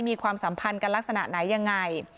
ความสัมพันธ์กันลักษณะไหนยังไง